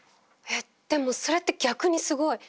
えっでもそれって逆にすごい。